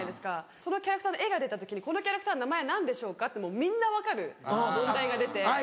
そのキャラクターの絵が出た時に「名前は何でしょうか？」ってみんな分かる問題が出て。